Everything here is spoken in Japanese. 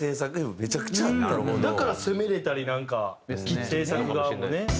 だから攻められたり制作側もね。